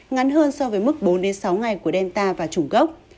ngắn hơn so với mức bốn sáu ngày của delta và chủng gốc